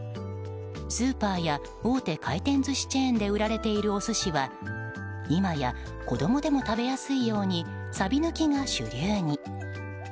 スーパーや大手回転寿司チェーンで売られているお寿司は今や、子供でも食べやすいようにサビ抜きが主流に。